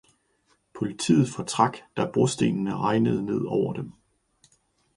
Politet fortrak da brostenen regnede ned over dem